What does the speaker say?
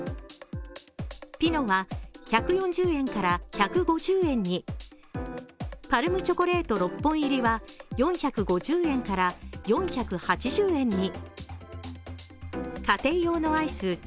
ピノが１４０円から１５０円に、ＰＡＲＭチョコレート６本入りは４５０円から４８０円に。